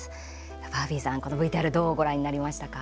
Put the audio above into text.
バービーさん、このＶＴＲどうご覧になりましたか？